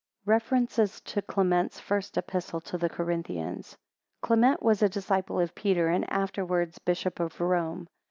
REFERENCES TO CLEMENT'S FIRST EPISTLE TO THE CORINTHIANS. [Clement was a disciple of Peter, and afterwards Bishop of Rome.